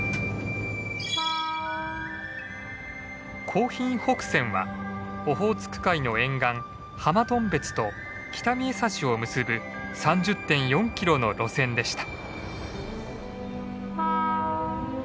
興浜北線はオホーツク海の沿岸浜頓別と北見枝幸を結ぶ３０．４キロの路線でした。